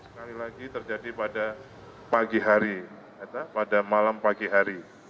sekali lagi terjadi pada pagi hari pada malam pagi hari